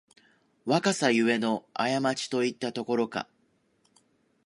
若さゆえのあやまちといったところか